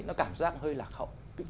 nó cảm giác hơi lạc hậu